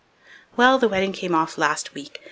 Well, the wedding came off last week.